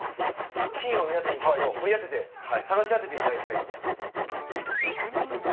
金を皆さんに掘り当てて探し当てていただきたいと思います。